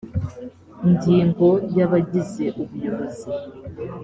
ingingo ya abagize ubuyobozi